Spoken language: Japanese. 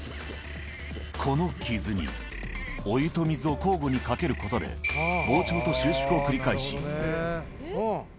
この傷に、お湯と水を交互にかけることで、膨張と収縮を繰り返し。